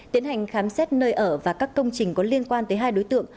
tiến hành khám xét nơi ở và các công trình có liên quan tới hai đối tượng